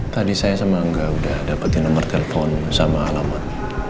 tadi saya sama enggak udah dapetin nomor telepon sama alamat